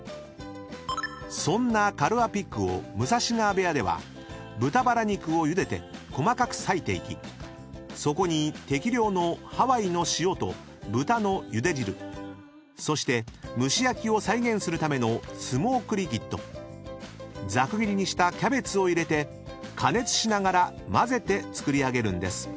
［そんなカルアピッグを武蔵川部屋では豚バラ肉をゆでて細かくさいていきそこに適量のハワイの塩と豚のゆで汁そして蒸し焼きを再現するためのスモークリキッドざく切りにしたキャベツを入れて加熱しながら交ぜて作り上げるんです］